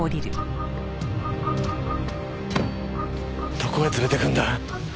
どこへ連れてくんだ？